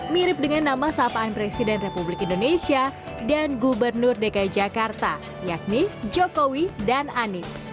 mirip dengan nama sapaan presiden republik indonesia dan gubernur dki jakarta yakni jokowi dan anies